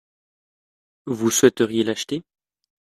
Vous souhaiteriez l’acheter ?